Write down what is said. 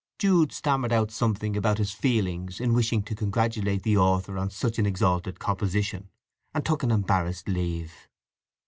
Jude stammered out something about his feelings in wishing to congratulate the author on such an exalted composition, and took an embarrassed leave.